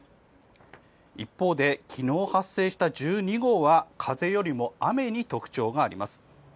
一方で、昨日発生した１２号は風よりも雨に特徴があります。